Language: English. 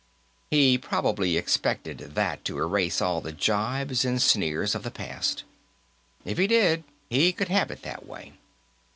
He probably expected that to erase all the jibes and sneers of the past. If he did, he could have it that way.